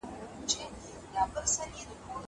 دبتخانې څه بتخانې ته درومي